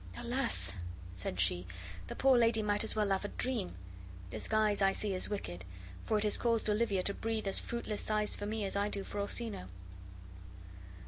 "Alas!" said she, "the poor lady might as well love a dream. Disguise I see is wicked, for it has caused Olivia to breathe as fruitless sighs for me as I do for Orsino."